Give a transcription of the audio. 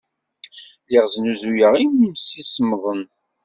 Lliɣ snuzuyeɣ imsisemḍen.